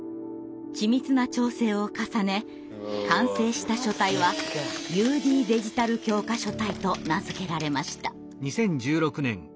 緻密な調整を重ね完成した書体は「ＵＤデジタル教科書体」と名付けられました。